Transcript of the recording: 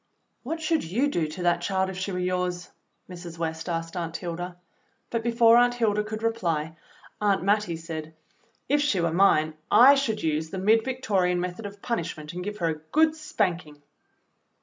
, "What should you do to that child if she were yours.f^" Mrs. West asked Aunt Hilda. But before Aunt Hilda could reply, Aunt Mattie said, "If she were mine, I should use the mid Victo 36 THE BLUE AUNT rian method of punishment and give her a good spanking."